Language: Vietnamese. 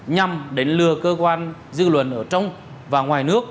nhằm đánh lừa cơ quan dư luận ở trong và ngoài nước